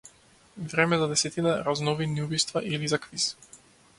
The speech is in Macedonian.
Време за десетина разновидни убиства или за квиз?